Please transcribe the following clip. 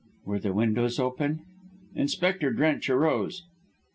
"Were the windows open?" Inspector Drench arose.